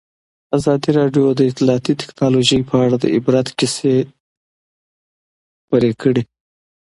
ازادي راډیو د اطلاعاتی تکنالوژي په اړه د عبرت کیسې خبر کړي.